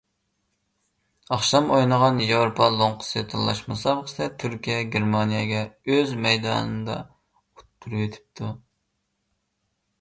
ئاخشام ئوينىغان ياۋروپا لوڭقىسى تاللاش مۇسابىقىسىدە تۈركىيە گېرمانىيەگە ئۆز مەيدانىدا ئۇتتۇرۇۋېتىپتۇ.